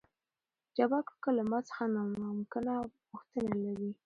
جبار کاکا له ما څخه نامکنه غوښتنه لري.